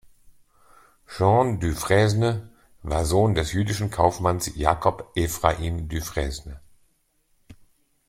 Jean Dufresne war Sohn des jüdischen Kaufmanns Jacob Ephraim Dufresne.